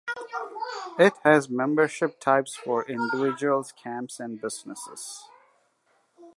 It has membership types for individuals, camps, and businesses.